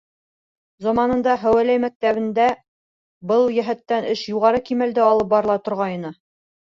Заманында Һәүәләй мәктәбендә был йәһәттән эш юғары кимәлдә алып барыла торғайны.